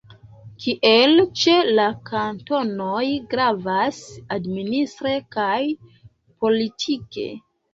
Kiel ĉe la kantonoj, gravas administre kaj politike.